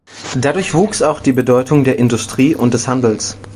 Dadurch wuchs auch die Bedeutung der Industrie und des Handels.